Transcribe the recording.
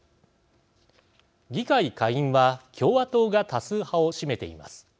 議会下院は共和党が多数派を占めています。